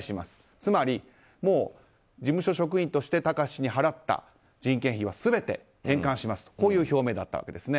つまり、事務所職員として貴志氏に払った事務費は全て返還しますとこういう表明だったわけです。